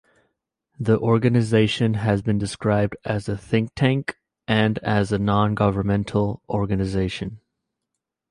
The organization has been described as a think tank and as a non-governmental organization.